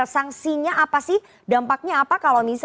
sanksinya apa sih dampaknya apa kalau misalnya